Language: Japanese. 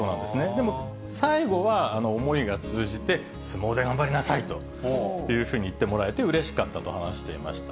でも最後は思いが通じて、相撲で頑張りなさいというふうに言ってもらえてうれしかったと話していました。